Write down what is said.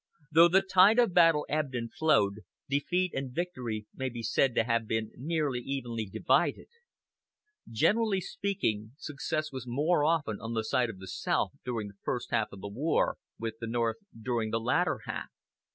Though the tide of battle ebbed and flowed, defeat and victory may be said to have been nearly evenly divided. Generally speaking, success was more often on the side of the South during the first half of the war; with the North, during the latter half.